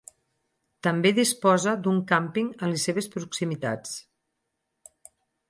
També disposa d'un càmping en les seves proximitats.